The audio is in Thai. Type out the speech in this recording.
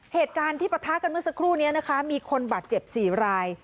เหตุการณ์ที่ปะทะกันเมื่อสักครู่นี้นะคะมีคนบาดเจ็บ๔ราย